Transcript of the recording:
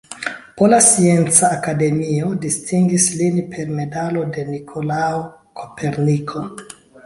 Pola Scienca Akademio distingis lin per medalo de Nikolao Koperniko.